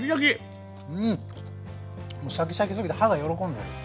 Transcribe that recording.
シャキシャキすぎて歯が喜んでる。